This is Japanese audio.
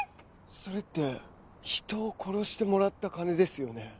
それって人を殺してもらった金ですよね？